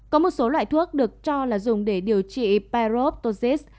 có một số loại thuốc được cho là dùng để điều trị perrovosis